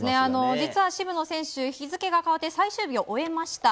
実は、渋野選手日付が変わって最終日を終えました。